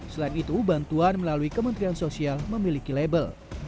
selain itu bantuan melalui kementerian sosial memiliki label